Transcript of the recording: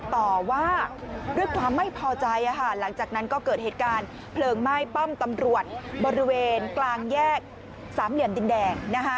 ต่อว่าด้วยความไม่พอใจหลังจากนั้นก็เกิดเหตุการณ์เพลิงไหม้ป้อมตำรวจบริเวณกลางแยกสามเหลี่ยมดินแดง